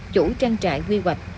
chủ trang trại quy hoạch